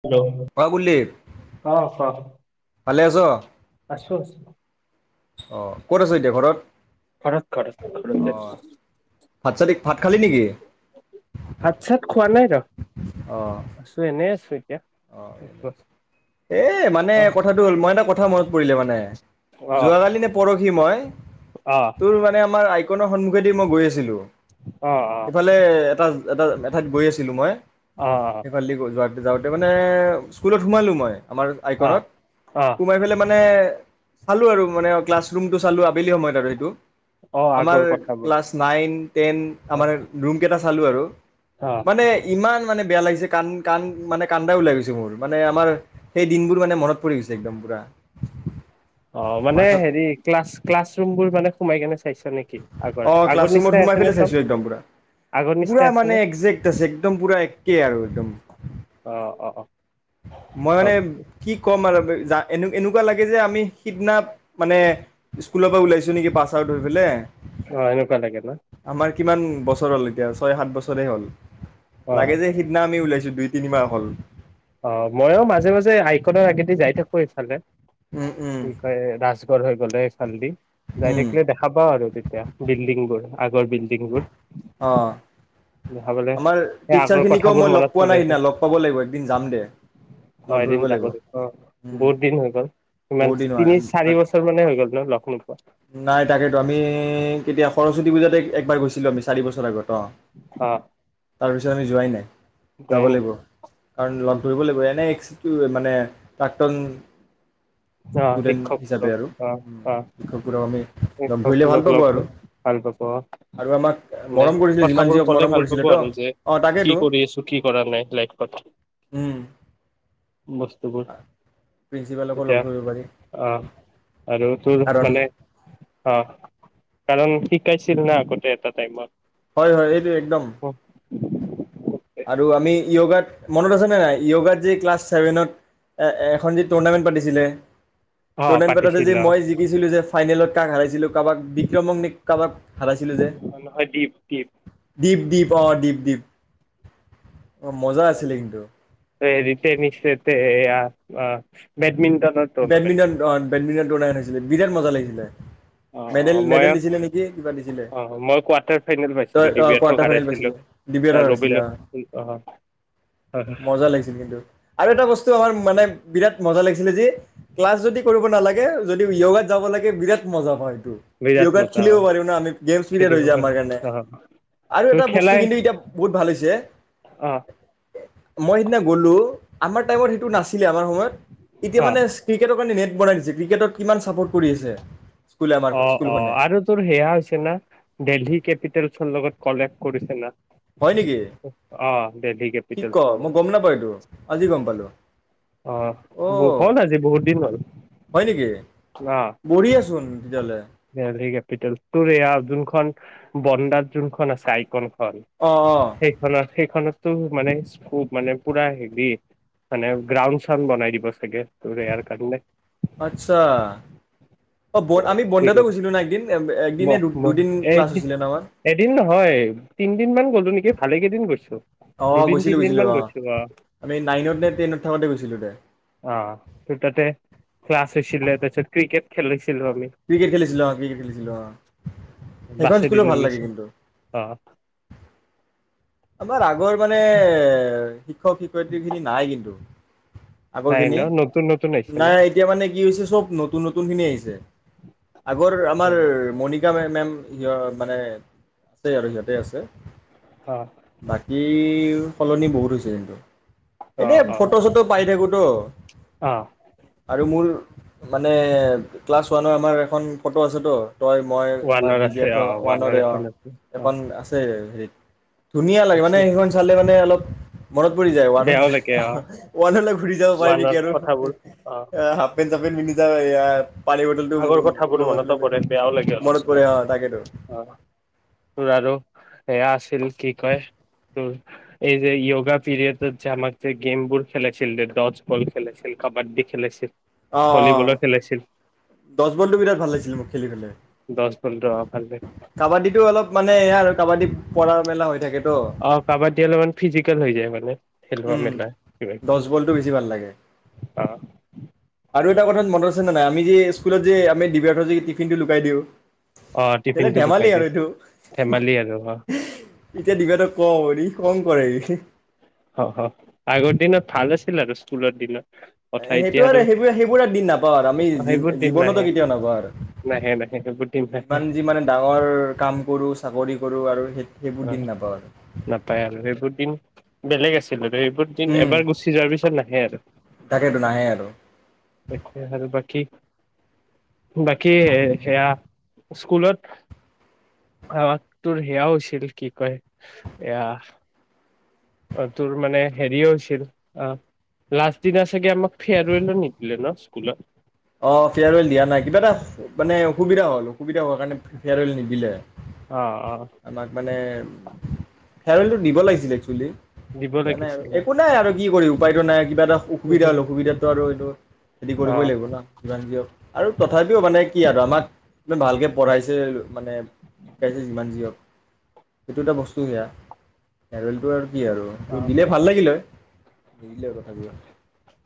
হেল্লে অ কুলদীপ অ', কওঁক ভালে আছো -আছো। অ ক'ত আছ এতিয়া ঘৰত ঘৰত ঘৰত অঁ ঘৰতেই ভাত চালি ভাত খালি নেকি ভাত চাত খোৱা নাই ৰ অ' [unintelligible] অ', এ মানে অ কথাটো হ'ল মই এটা কথা মনত পৰিলে মানে অ যোৱাকালি নে পৰহি সি মই অ তোৰ মানে আমাৰ [unintelligible] সন্মুখেদি মই গৈ আছিলোঁ অ অ ইফালে এটা এটা এঠাইত গৈ আছিলোঁ মই সেইফালেদি যোৱা যাওঁ। মানে স্কুলত সোমালোঁ মই আমাৰ অ আইকনত অ সোমাই পেলাই মানে চালোঁ আৰু মানে ক্লাছ ৰুমটো চালো। আবেলি সময়ত আৰু এইটো অ আমাৰ আগৰ কথাবোৰ ক্লাছ নাইন টেন অ আমাৰ ৰুম কেইটা চালো আৰু অ মানে ইমান মানে বেয়া লাগিছে কাণ কাণ মানে কান্দা ওলাই গৈছে মোৰ মানে আমাৰ সেই দিনবোৰ মানে মনত পৰি গৈছে একদম পুৰা অ', মানে মাথাত হেৰি ক্লাছ ক্লছৰুমবোৰ মানে সোমাইকিনে অ ক্লাছৰুমত সোমাই নে পেলাই চব চাইছো একদম পুৰা আগৰ নিচিনাই পুৰা আছে নে মানে একজেক্ট আছে একদম পুৰা একেই আৰু একদম অ অ অ মই চব মানে কি ক'ম আৰু যা এনেকুৱা লাগে এই যে আমি সিদিনা মানে স্কুলৰ পৰা ওলাইছো নেকি পাছ আউট হৈ পেলে অ এনেকুৱা লাগে ন আমাৰ কিমান বছৰ হ'ল এতিয়া ছয় সাত বছৰে হ'ল অ লাগে যে সিদিনা আমি ওলাইছো দুই তিনিমাহ হ'ল অ ময়ো মাজে মাজে আইকনৰ আগেদি যাই থাকো ইফালে উম, উম, কে ৰাজগ প গলে চালদি যাই উম, থাকিলে দেখা পাও আৰু তেতিয়া বিল্ডিং বোৰ আগৰ বিল্ডিংবোৰ অ দেখা পালে আমাৰ সেই টিচাৰ আগৰ খিনিকো কথাবোৰ মই লগ মনত পোৱা নাই পৰে সেইদিনা লগ পাব লাগিব একদ অ এদিন যাব লাগ অ উম, বহুত দিন হৈ গ'ল ইমান বহুত দিন হোৱা তিনি চাৰি তাক বছৰ মানে হৈ গ'ল ন য় নাই তাকেতো আমি কেতিয়া সৰস্বতী পূজাতে একবাৰ গৈছিলো আমি চাৰি বছৰ আগত অ'। হ তাৰপিছত আমি যোৱাই নাই যাব লাগিব কাৰণ লগ ধৰিব লাগিব এনে একচিটো মানে প্ৰাক্তন অ ষ্টুডেণ্ট শিক্ষক হিচাপে আৰু। অ হ শিক্ষকবোৰক আমি লগ ধৰিলে ভাল শিক্ষকবোৰক পাব লগ আৰু। ভাল পাব আহ আৰু আমাক মানে মৰম কৰিছিলে যিমান যি কথাবোৰ হওক কলে মৰম ভাল পাব কৰিছিলেতো, আৰু যে অ' কি তাকেতো, কৰি আছো কি কৰা নাই লাইফত উম। বস্তুবোৰ প্ৰিন্সিপালকো তেতিয়া লগ ধৰিব পাৰি অ আৰু তোৰ কাৰণ মানে অ কাৰণ শিকাইছিল না আ গোটেই এটা টাইমত হয় হয় এইটো একদম অ আৰু আমি য়োগাত মনত আছেনে নাই য়োগাত যে ক্লাছ ছেভেনত এখন যি টুৰ্ণামেণ্ট পাতিছিলে তণন পেটাতে যে পাতিছিল অ মই জিকিছিলো যে ফাইনেলত কাক হাৰাইছিলো কাৰোবাক বিক্ৰমক নে কাৰোবাক হাৰাইছিলো যে নহয় দীপ দীপ দীপ দীপ অ দীপ দীপ অ' মজা আছিলে কিন্তু ৰি টেনিছ অ বেডমিণ্ট বেডমিণ্টন অ' বেডমিণ্টন তই উলাই আনিছিলি বিৰাট মজা লাগিছিলে অ অ মেডেল মই মেডেল দিছিলে নেকি কিবা দিছিলে অ মই কোৱাৰ্টাৰ ফাইনেল পাইছিলো তই অ দিবিয়াথক কোৱাৰ্টাৰ ফাইনেল হাৰাইছিলো পাইছিলে আ, ডছিলে ৰবিল অ অ অ' মজা লাগিছিল কিন্তু আৰু এটা বস্তু আমাৰ মানে বিৰাট মজা লাগিছিলে দেই ক্লাছ যদি কৰিব নালাগে যদি য়োগাত যাব লাগে বিৰাট মজা পায় বিৰাট য়োগাত মজা খেলিব অ পাৰি ন আমি গেমছ পিৰিয়ড খেলিব হৈ যায় পাৰি আমাৰ কাৰণে অ আৰু তোৰ এটা বস্তু খেলাই কিন্তু এতিয়া বহুত ভাল হৈছে অ মই সিদিনা গ'লো আমাৰ টাইমত সেইটো নাছিল নাছিলে আমাৰ সময়ত এতিয়া অ মানে ক্ৰিকেটৰ কাৰণে নেট বনাই দিছে ক্ৰিকেটত কিমান চাপৰ্ট কৰি আছে স্কুলে আমাৰ অ' অ' স্কুলখনে আৰু তোৰ সেয়া হৈছে না দেলহী কেপিটেলছৰ লগত কলেপ কৰিছে না হয় নেকি অ দেলহি কি ক কেপিটেলছৰ মই লগত গম নাপাওঁ এইতটো আজি গম পালো অ' হ'ল আজি বহুত দিন হল হয় নেকি আহ বঢ়িয়াচোন তেতিয়াহ'লে কেপিিতেল তোৰ ৰেয়া আব্দুল বন্দাৰ যোনখন আছে আইকন স অ' অ' সেইখন সেইখনত মানে স্কোপ মানে পুৰা হেৰি মানে গ্ৰাউণ্ড চাউণ্ড বনাই দিব চাগে তোৰ ইয়াৰ কাৰণে আচ্ছা অ ব আমি বন্ধতে ক্ৰিকেট গৈছিলো ন একদিন একদনে দুদিন ক্লাছ এদি হৈছিলে ন আমাৰ এদিন নহয় তিনদিন মান গ'লো নেকি ভালে কেইদিন গৈছো অঁ অঁ দুদিন গৈছিলো তিনদিন গৈছিলো মান অ' আমি নাইনত নে টেনত থাকোতে গৈছিলো দে অঁ তোৰ ততে ক্লছ আছিল তাৰপিছত ক্ৰিকেট খেলিছো ক্ৰিকেট খেলিছিলো অঁ ক্ৰিকেট খেলিছিলো আহ সেইখন বাছেদি স্কুলো লৈ ভাল লাগে গৈছে কিন্তু অ তোমাৰ আগৰ মানে এ শিক্ষক শিক্ষয়িত্ৰী খিনি নাই কিন্তু দু আগৰ নাই খিনি ন নতুন নতুন আহিছে ন নাই এতিয়া মানে কি হৈছে চব নতুন নতুন খিনি আহিছে আগৰ অ আমাৰ মনি [unintelligible] মানে আছে আৰু সিহঁতে আছে। অঁ। বাকী সলনি বহুত হৈছে কিন্তু, অ এনে অ ফটো চটো পাই থাকো। ক অ [unintelligible] আৰু মোৰ মানে ক্লাছ ওৱানৰ আমাৰ এখন ফটো আছেতো। তই মই আমাৰ ওৱানৰ আছে অ [unintelligible] ওৱানৰ দে অঁ এখন আছে অ এখন আছে। [unintelligible] ধুনীয়া লাগে মানে আছে সেইখন চালে মানে অলপ মনত পৰি যায় ওৱান বেয়াও লাগে অ [unintelligible] ওৱানলৈ ঘূৰি যাব পাৰি ওৱানৰ নেকি আৰু কথাবোৰ অ এ [unintelligible] পানী বটলটো আগৰ [unintelligible] কথাবোৰ ওলমাই মনতো পেলাই লৈ পৰে যায়, বেয়াও লাগে অলপ মনত চলপ পৰে অঁ তাকেইটো। অ তোৰ আৰু সেয়া আছিল কি কয় তোৰ এই যে য়োগা পিৰিয়ডত যে আমাক যে গেমবোৰ খেলাইছিল যে ডটছ বল খেলাইছিল, কাবাড্ডী খেলাইছিল। ভলীবলৰ খেলাইছিল। দটছ বলটো বিৰাট ভাল লাগিছিল মোৰ খেলি কেনে, দচ বল অ ভাল লাগে। কাবাডীটো অলপ মানে এয়া আৰু কাবাডীত পৰা মেলা হৈ থাকে। অঁ কাবাদ্দী অলপমান ফিজিকেল হৈ যায় মানে। খেলোৱা উম, মেলা কিবা কিবি দছ বলটো বেছি ভাল লাগে। অ আৰু এটা কথা মনত আছে নে নাই, আমি যে স্কুলত যে আমি [unintelligible] যে টিফিনটো লুকাই দিওঁ। অ [unintelligible] টিফিনটো ধেমালি লুকাই আৰু দিওঁ এইটো, ধেমালি আৰু অ এতিয়া [unintelligible] কওঁ ই খং কৰে। অঁ, অঁ আগৰ দিনত ভাল আছিল আৰু স্কুলৰ দিনত। কথা সেইটো এতিয়া আৰু সেইবোৰ সেইবোৰ দিন নাপাওঁ আৰু আমি সেইবোৰ দিন জীৱনতো নাহে কেতিয়াও নাপাওঁ আৰু নাহে নাহে সেইবোৰ দিন আমি নাহে যিমান যিমানে ডাঙৰ কাম কৰো চাকৰি কৰো আৰু সেই সেইবোৰ অঁ দিন নাপাওঁ আৰু নাপায় আৰু এইবোৰ দিন। বেলেগ আছিল। এইবোৰ দিন উম এবাৰ গুচি যোৱাৰ পিছত নাহে আৰু তাকেতো নাহে আৰু তাকে আৰু বাকী। বাকী সেয়া স্কুলত আমাক তোৰ সেয়া হৈছে। [unintelligible] কি কয় এয়া অঁ তোৰ মানে হেৰি হৈছিল অঁ লাষ্ট দিনা চাগে আমাক ফেয়াৰৱেল ও নিদিলে ন স্কুলত। অঁ ফেয়াৰৱেল দিয়া নাই কিবা এটা মানে অসুবিধা হল। অসুবিধা হোৱাৰ কাৰণে ফেয়াৰৱেল নিদিলে, অ অ আমাক মানে ফেয়াৰৱেলটো দিব লাগিছিল এক্সুৱেলি দিব দিয়া নাই লাগিছিল একো নাই আৰু। কি কৰিবি উপায়টো নাই। কিবা এটা [unintelligible] অ হ'ল অসুবিধাটো আৰু এইটো। খেতি অ কৰিবই লাগিব ন যিমান দিয়ওক আৰু তথাপিও মানে কি আৰু আমাক ইমান ভালকে পঢ়াইছে মানে শিকাইছে যিমান দিয় সেইটো এটা বস্তু সেয়া নাৰলটো আৰু কি আৰু অ তোৰ দিলে ভাল লাগিল হয় নিদিলে আৰু তথাপিও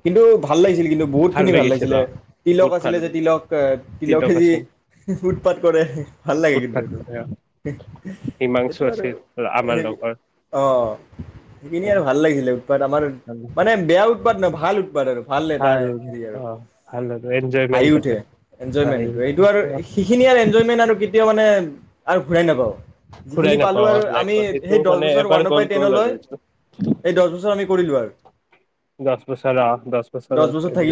কিন্তু ভাল লাগিছিল কিন্তু বহুতখিনি ভাল লাগিছিল লাগিছিলে অ তিলক বহুত ভাল আছিলে যে লাগিছিল তিলক তিলক তিলকেজি আছিল সুটপাত কৰে ভাল লাগে কিন্তু উৎপাত এইটো কৰে অ, হিমাংশু সেইটো আৰু আছিল স আমাৰ লগৰ অ সেইখিনি অ আৰু ভাল লাগিছিলে উৎপাত আমাৰ মানে বেয়া উৎপাদ ন ভাল উৎাদ আৰু হ অ আল হি উঠে এনজয়মেণ্ট এইটো আৰু সেইখিনি আৰু এনজয়মেন্ট আৰু এতিয়াও মানে আৰু ঘূৰাই নাপাওঁ ঘূৰাই যিখিনি পালো নাপাওঁ আৰু আমি লাইফত এইটো সেই দহ মানে বছৰ এবাৰ ওৱানৰ গ'ল পৰা টেন গ'ল আৰু লয় এইটো সেই দহ বছৰ আমি কৰিলো আৰু দচ বছৰ আহ দহ বছৰ এদ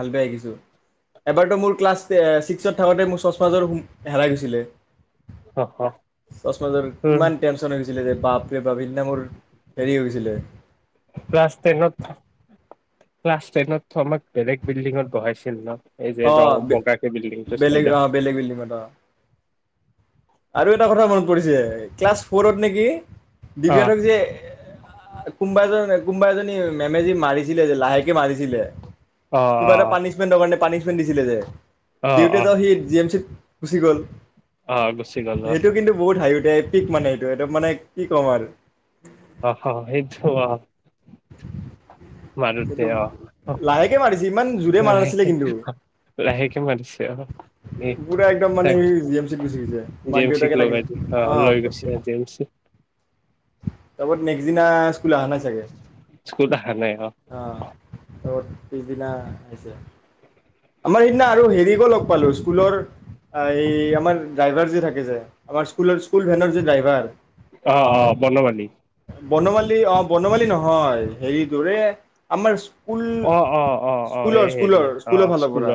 ভাল বাই শিকিছো এবাৰতো মোৰ ক্লাছ ছিক্সত থাকোতে মোৰ চশমাৰ হেৰাই গৈছিলে অ, অ, চচমৰ তোৰ ইমান টেনচন হৈছে ছিলে যে বাপে পাবনা মোৰ হেৰি হৈ গৈছিলে ক্লাছ টেনত ক্লাছ টেনত আমাক বেলেগ বিল্ডিঙত বহাইছিল ন এই যে অ ৰং বগাকে বিল্ডিংটো বেলেগ চাইডত আহ বেলেগ বিলি ম আৰু এটা কথা মন পৰিছে ক্লাছ ফৰত নেকি অ ধক যে কোনোবা এাজ কোনোবা এজনী মেমেজী মাৰিছিলে যে লাহেকে মাৰিছিলে অ কিবা এটা পানিমেট দ পানি চনিছিলে যে অ অ ডিউটি অ এটা সি জি এম চি গুছি গ'ল অ গুচি গ'ল সেইটো কিন্তু বহুত হাই উ পিক মানে এইটো একদম মানে কি ক'ম আৰু অ সেইটো মাৰোতে এইটো আহ আহ লাহেকে মাৰিছে ইমান জোৰে মাৰা নাছিলে লাহেে কিন্তু আহ লাহেকে মাৰোছে আহ এ পুৰা একদম মানে তাক জি এম চিত গুচি গৈছে মাক দেউতাকে জেমচিক তাক লাইদে আহ লৈ গৈছে জেমচ তাৰপ নেক্সট দিনা [unintelligible] ুল অ নাই চাগে স্কুল অহা নাই অ [unintelligible] পিছদিনা হৈছে আমাৰ সেইদিনা আৰু হেৰিকো লগ পালো, স্কুলৰ এই আমাৰ ড্ৰাইভাৰ যে থাকে যে, আমাৰ স্কুলৰ স্কুল ভেনৰ যে ড্ৰাইভাৰ অ অ বনৱালী বনমালী অ বনমালী নহয় হেৰি দৰে, আমাৰ স্কুল অ অ অ অ স্কুলৰ এই হেৰি স্কুলৰ স্কুলৰ ফালৰ পৰা,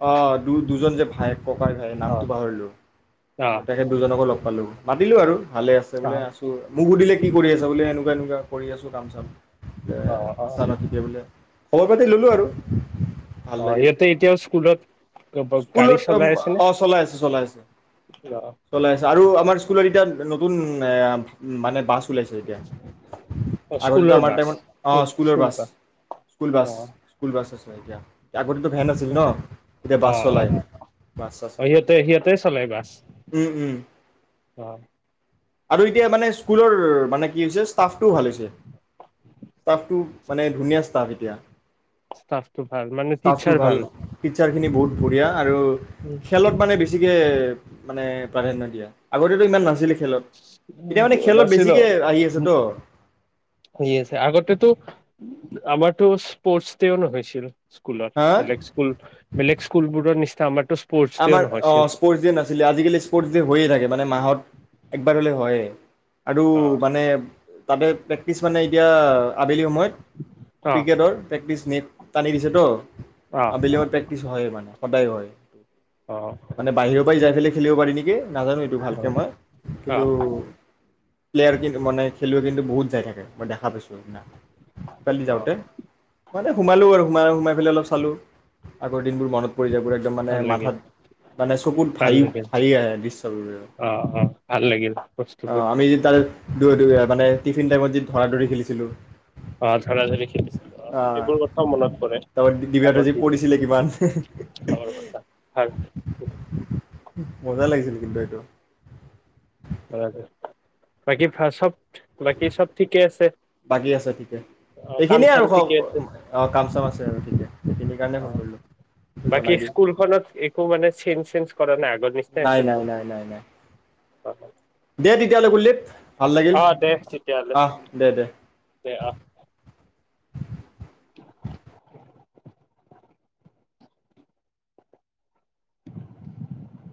অ দু দুজন যে ভায়েক ককাই ভাই অ নামটো পাহৰিলো। অ তেখেত দুজনকো লগ পালো মাতিলো আৰু ভালে আছে বোলে আছো, মোক সুধিলে কি কৰি আছা বোলে এনেকুৱা এনেকুৱা কৰি আছো কাম চাম এ অ অ অ আছা ন ঠিকে বোলে খবৰ খাতি ললো আৰু। ভাল অ লাগিল সিহঁতে এতিয়াও স্কুলত, গাড়ী স্কুলত চলাই আছেনে? অ চলাই আছে চলাই আছে অ। চলাই আৰু আমাৰ স্কুলত এতিয়া, নতুন এয়া মানে বাছ ওলাইছে এতিয়া। অ আগতেটো স্কুলৰ আমাৰ বাছ টাইমত, অঁ স্কুল স্কুলৰ স্কুল বাছ, স্কুল অ বাছ, স্কুল বাছ আছে। লৈ যা। আগতেতো ভেন আছিল ন? এতিয়া অ অ বাছ চলাই। বাছ চাচ অ আছে সিহঁতে এতিয়া। সিহঁতে চলাই বাছ উম-উম। অ আৰু এতিয়া মানে স্কুলৰ, মানে কি হৈছে টাফটোও ভাল হৈছে। টাফটো মানে ধুনীয়া ষ্টাফ এতিয়া। ষ্টাফটো ভাল মানে ষ্টফটো টিচাৰ ভাল, উ টিচাৰ খিনি বহুত বঢ়িয়া। আৰু খেলত মানে বেছিকে মানে প্ৰাধান্য দিয়া, আগতেটো ইমান নাছিলে। খেলত এতিয়া মানে খেলত বেছিকে [unintelligible] আহি আছেতো হেৰি আছে, আগতেটো আমাৰটো স্পৰ্টছ ডে ও নহৈছিল। স্কুলত, হা বেলেগ স্কুল, বেলেগ স্কুলবোৰৰ নিচি তে আমাৰটো' চ আমাৰ অ, স্পৰ্টছ ডে নাছিলে আজিকালি স্পৰ্টছ ডে হৈয়ে থাকে, মানে মাহত একবাৰ হলেও হয়েই। আৰু অ মানে তাতে প্ৰেক্টিচ মানে এতিয়া আবেলি সময়ত অ ক্ৰিকেটৰ প্ৰেক্টিচ নেক টানি দিছেটো। অ অ আবেলিও প্ৰেক কিছু হয় মানে, সদায় হয়। মানে, বাহিৰৰ পৰাই যাই খেলি খেলিব পাৰি নেকি? নাজানো এইটো ভালকে মই, অ অ অ কিন্তু প্লেয়াৰ কিন্ত মানে, খেলুৱৈ কিন্তু বহুত যায় থাকে, মই দেখা পাইছো। কালি অ', যওঁতে, মানে সোমালো আৰু সোমাই সোমাই পেলাই অলপ চালো। আগৰ দিনবোৰ মনত পৰি যায়, এইবোৰে একদম মানে ভাল লাগিল মাথাত মানে চকুত ভাল ভাৰি লাগিল ভাৰি আহে দৃশ্য অ অ ভাল লাগিল অ বস্তুবোৰ আমি যেতিয়া দু মানে টিফিন টাইমত য ধৰা ধৰি খেলিছিলো অ ধঝাৰা ধাৰী খিনিছিল অ এইবোৰ কথাও মনত পৰে তাৰপৰা ডিবাতে আগৰ যি দিন পৰিছিলে কিমান খ কথা হয [unintelligible] মজা লাগিছিল কিন্তু এইটো বাকী ভ চব বাকী চব ঠিকে আছে বাকী আছে ঠিকে কাম এইখিনিয়ে চাম আৰু ঠিক আছে অ' কাম চাম আছে আৰু ঠিকে সেইখিনিৰ কাৰণে ফোন কৰিলোঁ বাকী জনাই দিওঁ স্কুলখনত একো মানে চেঞ্জ চেন্স নাই নাই নাই নাই নাই অ হয় দে তেতিয়ালৈ কুলদপ ভাল লাগিল দে তেতিয়াহ'লে আহ দে দে দে আহ [unintelligible]